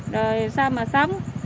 rồi sao mà sống